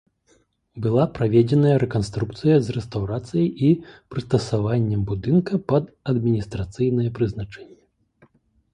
Была праведзеная рэканструкцыя з рэстаўрацыяй і прыстасаваннем будынка пад адміністрацыйнае прызначэнне.